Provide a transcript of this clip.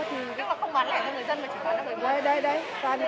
tức là không bán lẻ cho người dân mà chỉ bán lẻ của người mua